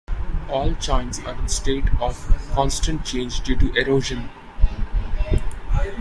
All chines are in a state of constant change due to erosion.